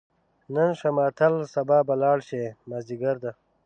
نن شه ماتل سبا به لاړ شې، مازدیګر ده